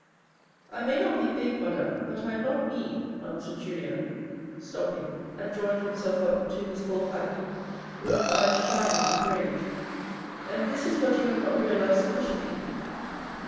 " I may not be big, Madame, but I am not mean," answered Julien, stopping, and drawing himself up to his full height, with his eyes shining with rage, " and this is what you have not realised sufficiently.